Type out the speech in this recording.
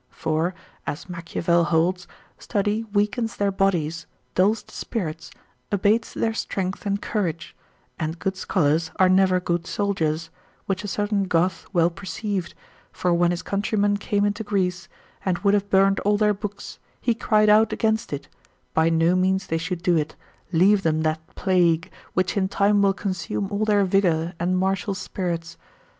For (as Machiavel holds) study weakens their bodies, dulls the spirits, abates their strength and courage; and good scholars are never good soldiers, which a certain Goth well perceived, for when his countrymen came into Greece, and would have burned all their books, he cried out against it, by no means they should do it, leave them that plague, which in time will consume all their vigour, and martial spirits.